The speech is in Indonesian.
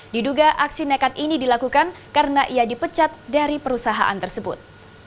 diduga aksi nekat ini dilakukan karena ia dipecat dari perusahaan tersebut